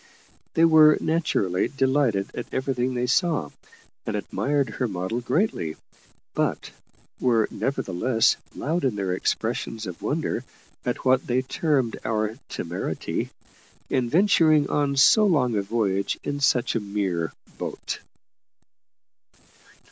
They were, naturally, delighted at everything they saw, and admired her model greatly: but were, nevertheless, loud in their expressions of wonder at what they termed our temerity in venturing on so long a voyage in such a mere boat.